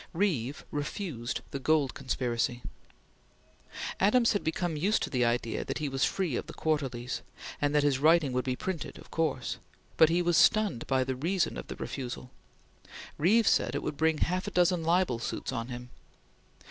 Reeve refused the Gold Conspiracy. Adams had become used to the idea that he was free of the Quarterlies, and that his writing would be printed of course; but he was stunned by the reason of refusal. Reeve said it would bring half a dozen libel suits on him.